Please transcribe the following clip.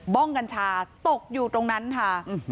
้องกัญชาตกอยู่ตรงนั้นค่ะ